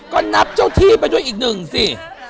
ก็นับเจ้าที่ไปด้วยอีกหนึ่งสิ